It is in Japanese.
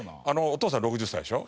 お父さん６０歳でしょ。